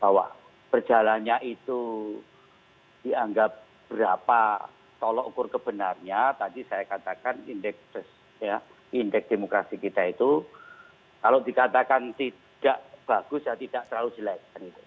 bahwa berjalannya itu dianggap berapa tolok ukur kebenarnya tadi saya katakan indeks demokrasi kita itu kalau dikatakan tidak bagus ya tidak terlalu jelek